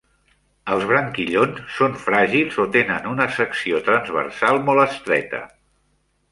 Els branquillons són fràgils o tenen una secció transversal mol estreta.